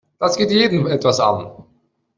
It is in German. Das geht jeden etwas an.